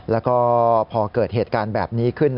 แล้วก็พอเกิดเหตุการณ์แบบนี้ขึ้น